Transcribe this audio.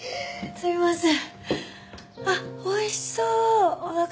すいません。